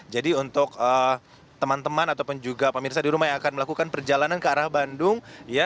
jadi untuk teman teman ataupun juga pemirsa di rumah yang akan melakukan perjalanan ke arah bandung